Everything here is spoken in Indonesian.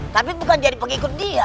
tapi bukan jadi pengikut dia